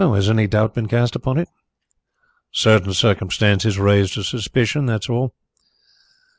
"Has any doubt been cast upon it?" "Certain circumstances raised a suspicion that is all."